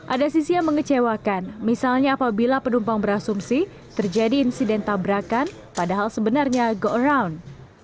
ada sisi yang mengecewakan misalnya apabila penumpang berasumsi terjadi insiden tabrakan padahal sebenarnya go around